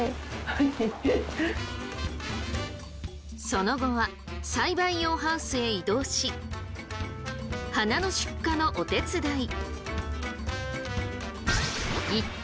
その後は栽培用ハウスへ移動し花の出荷のお手伝い。